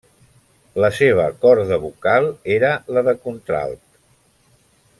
La seva corda vocal era la de contralt.